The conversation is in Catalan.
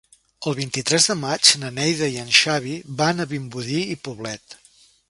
El vint-i-tres de maig na Neida i en Xavi van a Vimbodí i Poblet.